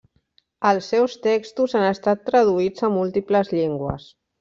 Els seus textos han estat traduïts a múltiples llengües.